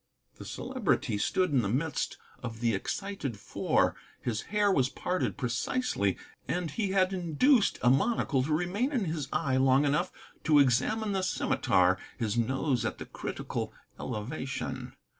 The Celebrity stood in the midst of the excited Four. His hair was parted precisely, and he had induced a monocle to remain in his eye long enough to examine the Scimitar, his nose at the critical elevation.